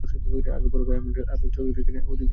আগে বড় ভাই আয়মন আকবর চৌধুরী এখানে একই দায়িত্ব পালন করতেন।